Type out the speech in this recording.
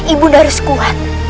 ibu nda harus kuat